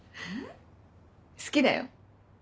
好きだよ。